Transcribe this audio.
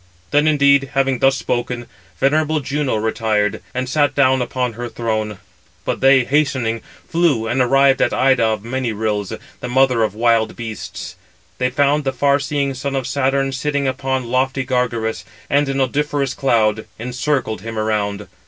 Then indeed, having thus spoken, venerable Juno retired, and sat down upon her throne; but they, hastening, flew and arrived at Ida of many rills, the mother of wild beasts. They found the far seeing son of Saturn sitting upon lofty Gargarus, and an odoriferous cloud encircled him around.